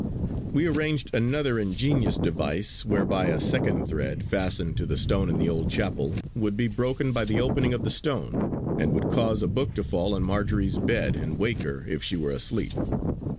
We arranged another ingenious device, whereby a second thread, fastened to the stone in the old chapel, would be broken by the opening of the stone, and would cause a book to fall on Marjory's bed and wake her if she were asleep.